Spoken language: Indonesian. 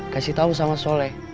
kasih tau sama soleh